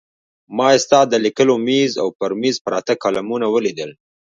ما ستا د لیکلو مېز او پر مېز پراته قلمونه ولیدل.